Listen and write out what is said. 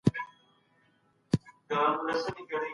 استادان به د نویو څېړنو لپاره اړینې لارښوونې وکړي.